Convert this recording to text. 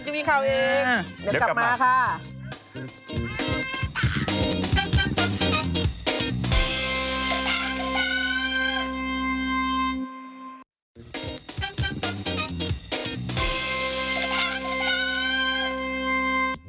ชิคกี้พายเขาเองเดี๋ยวกลับมาค่ะเดี๋ยวกลับมา